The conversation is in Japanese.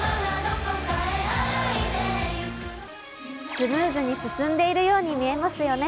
スムーズに進んでいるように見えますよね？